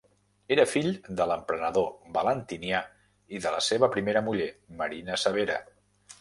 Era fill de l'emperador Valentinià i de la seva primera muller Marina Severa.